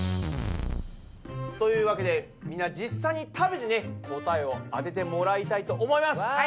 というわけでみんな実際に食べてね答えを当ててもらいたいと思います。